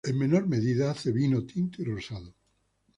En menor medida, hace vino tinto y rosado.